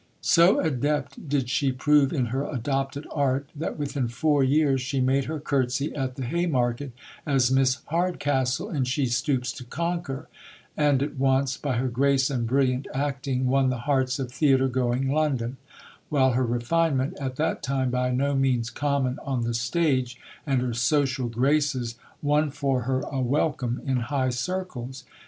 _ So adept did she prove in her adopted art that within four years she made her curtsy at the Haymarket as Miss Hardcastle, in She Stoops to Conquer; and at once, by her grace and brilliant acting, won the hearts of theatre going London; while her refinement, at that time by no means common on the stage, and her social graces won for her a welcome in high circles.